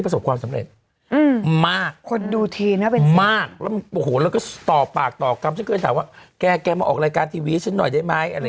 บอกนั่งจะไปปฏิบัติธรรมแล้ว